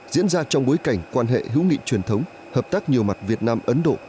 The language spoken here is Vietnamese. diễn ra trong bối cảnh quan hệ hữu nghị truyền thống hợp tác nhiều mặt việt nam ấn độ